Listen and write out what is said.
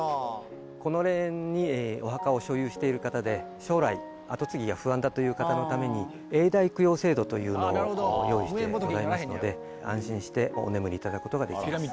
この霊園にお墓を所有している方で、将来、後継ぎが不安だという方のために、永代供養制度というのをご用意してございますので、安心してお眠りいただくことができます。